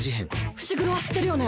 伏黒は知ってるよね？